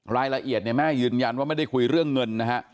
รายละเอียดเนี่ยแม่ยืนยันว่าไม่ได้คุยเรื่องเงินนะฮะ